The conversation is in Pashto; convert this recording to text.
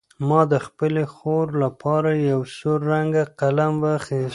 ما د خپلې خور لپاره یو سور رنګه قلم واخیست.